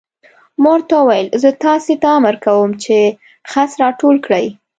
ما ورته وویل: زه تاسې ته امر کوم چې خس را ټول کړئ.